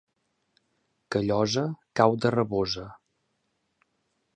Callosa, cau de rabosa.